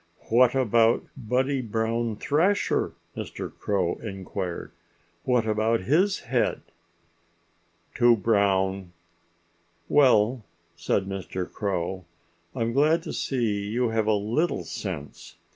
"What about Buddy Brown Thrasher?" Mr. Crow inquired. "What about his head?" "Too brown!" "Well," said old Mr. Crow, "I'm glad to see you have a little sense.